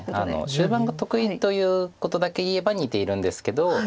終盤が得意ということだけ言えば似ているんですけど。